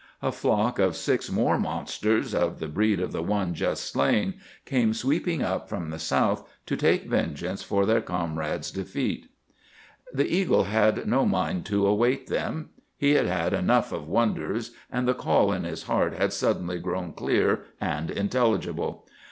A flock of six more monsters, of the breed of the one just slain, came sweeping up from the south to take vengeance for their comrade's defeat. The eagle had no mind to await them. He had had enough of wonders, and the call in his heart had suddenly grown clear and intelligible.